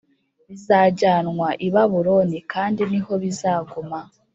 Bizajyanwa i babuloni kandi ni ho bizaguma